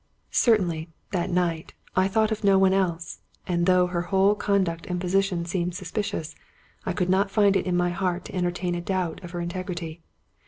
Certainly, that night, I thought of no one else; and, though her whole conduct and position seemed suspicious, I could not find it in my heart to entertain a doubt of her integrity.